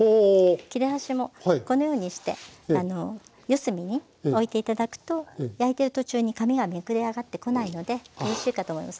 切れ端もこのようにして四隅に置いて頂くと焼いてる途中に紙がめくれ上がってこないのでよろしいかと思います。